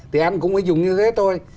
thì anh cũng phải dùng như thế thôi